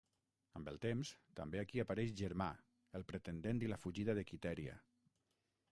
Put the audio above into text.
Amb el temps, també aquí apareix Germà, el pretendent i la fugida de Quitèria.